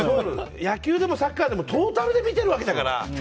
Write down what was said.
野球でもサッカーでもトータルで見てるわけだから。